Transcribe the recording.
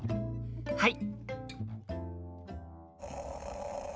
はい！